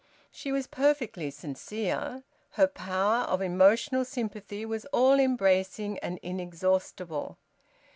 She was perfectly sincere. Her power of emotional sympathy was all embracing and inexhaustible.